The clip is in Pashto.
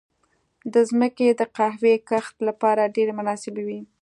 دا ځمکې د قهوې کښت لپاره ډېرې مناسبې وې.